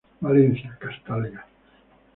Valencia: Castalia.